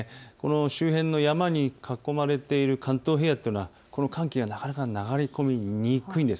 周辺の山に囲まれている関東平野というのは寒気がなかなか流れ込みにくいんです。